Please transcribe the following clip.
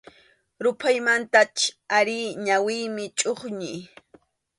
Ruphaymantach ari ñawiymi chʼuqñi.